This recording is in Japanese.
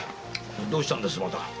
どうしたんですまた。